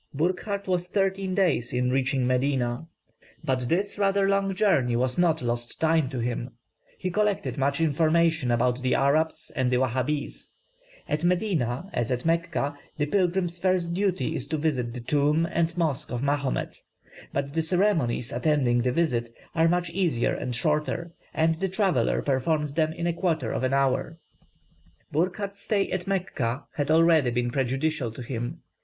Burckhardt was thirteen days in reaching Medina. But this rather long journey was not lost time to him; he collected much information about the Arabs and the Wahabees. At Medina, as at Mecca, the pilgrim's first duty is to visit the tomb and mosque of Mahomet; but the ceremonies attending the visit are much easier and shorter, and the traveller performed them in a quarter of an hour. Burckhardt's stay at Mecca had already been prejudicial to him.